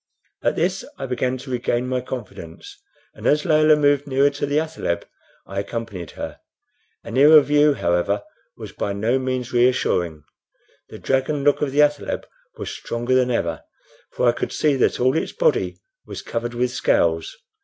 At this I began to regain my confidence, and as Layelah moved nearer to the athaleb I accompanied her. A nearer view, however, was by no means reassuring. The dragon look of the athaleb was stronger than ever, for I could see that all its body was covered with scales.